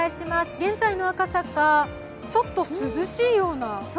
現在の赤坂、ちょっと涼しいような。